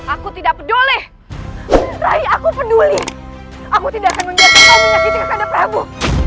aku tidak peduli rai aku peduli aku tidak akan menjaga kau menyakiti kekendaraan prabu